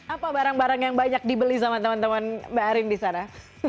apa barang barang yang banyak dibeli sama teman teman mbak arin di sana